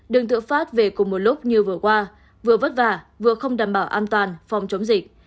đường tựa phát về cùng một lúc như vừa qua vừa vất vả vừa không đảm bảo an toàn phòng chống dịch